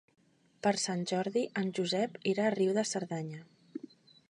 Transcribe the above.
Per Sant Jordi en Josep irà a Riu de Cerdanya.